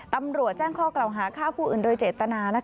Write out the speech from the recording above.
ตำรวจแจ้งข้อกล่าวหาฆ่าผู้อื่นโดยเจตนา